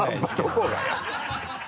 どこがよ。